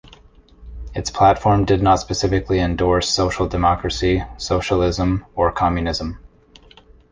Its platform did not specifically endorse social democracy, socialism, or communism.